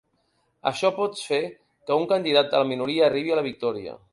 Això pot fer que un candidat de la minoria arribi a la victòria.